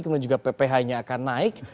kemudian juga pph nya akan naik